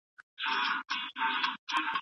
سفیران به د سولي خبري وکړي.